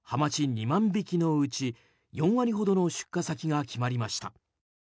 ２万匹のうち４割ほどの出荷先が決まりました。